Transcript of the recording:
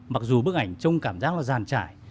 mặc dù bức ảnh trông cảm giác là giàn trải